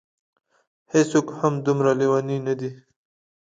هېڅوک هم دومره لېوني نه دي.